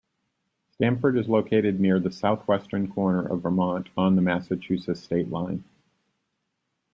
Stamford is located near the southwestern corner of Vermont, on the Massachusetts state line.